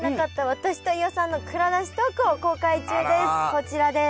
こちらです。